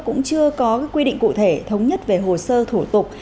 cũng chưa có quy định cụ thể thống nhất về hồ sơ thủ tục